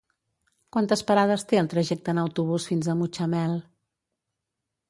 Quantes parades té el trajecte en autobús fins a Mutxamel?